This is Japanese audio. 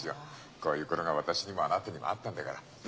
こういう頃が私にもあなたにもあったんだからね？